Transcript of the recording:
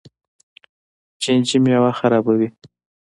چینجي میوه خرابوي.